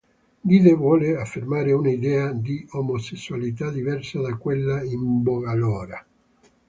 Gide vuole affermare un'idea di omosessualità diversa da quella in voga allora.